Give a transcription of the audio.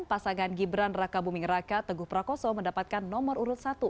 pasangan gibran raka buming raka teguh prakoso mendapatkan nomor urut satu